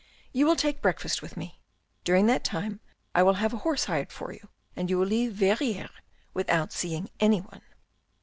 " You will take breakfast with me. During that time I will have a horse hired for you and you will leave Verrieres without seeing anyone."